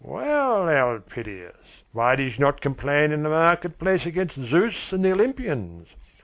"Well, Elpidias, why did you not complain in the market place against Zeus and the Olympians?